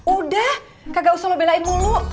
udah kagak usah lo belain dulu